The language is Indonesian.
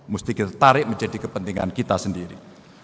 mesti kita tarik menjadi kepentingan kita sendiri